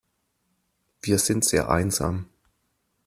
Wir sind sehr einsam.